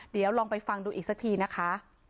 เดี๋ยวลองไปฟังดูอีกสักทีนะคะ